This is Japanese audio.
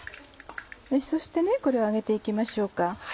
そしてこれを揚げて行きましょう。